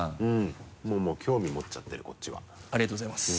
もう興味持っちゃってるこっちはありがとうございます。